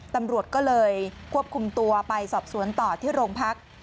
ตำรวจก็เลยควบคุมตัวไปสอบสวนต่อที่โรงพัก